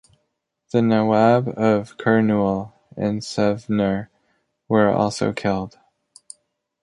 The Nawab of Kurnool and Savnur were also killed.